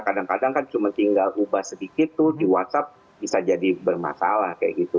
kadang kadang kan cuma tinggal ubah sedikit tuh di whatsapp bisa jadi bermasalah kayak gitu